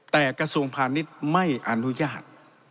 แต่กระทรวงพาณิชย์ไม่อนุญาต